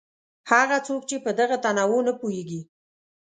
هغه څوک چې په دغه تنوع نه پوهېږي.